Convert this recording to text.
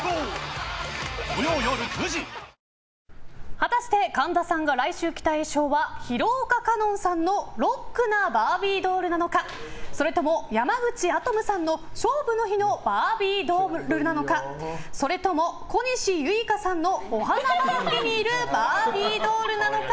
果たして神田さんが来週着たい衣装は廣岡香音さんのロックなバービードールなのかそれとも山口空叶夢さんの勝負の日のバービードールなのかそれとも小西結花さんのお花畑にいるバービードールなのか。